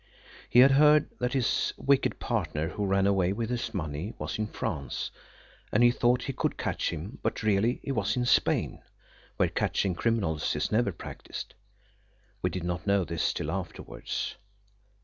He had heard that his wicked partner, who ran away with his money, was in France, and he thought he could catch him, but really he was in Spain, where catching criminals is never practised. We did not know this till afterwards.